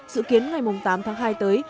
dự kiến ngày tám tháng hai tới